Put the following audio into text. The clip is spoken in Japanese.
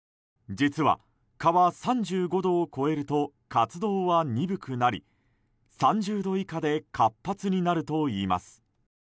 実は、蚊は３５度を超えると活動は鈍くなり３０度以下で活発になるといいます。